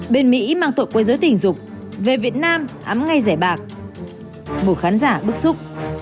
bên mỹ mang tội quê giới tình dục về việt nam ám ngay rẻ bạc một khán giả bức xúc